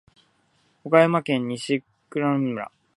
岡山県西粟倉村